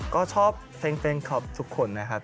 ก็ชอบเซ้งครับทุกคนนะครับ